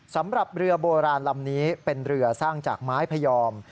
สำหรับเรือโบราณลำนี้เป็นเรือสร้างจากไม้พยอม